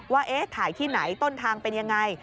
ว่าถ่ายที่ไหนต้นทางเป็นยังไง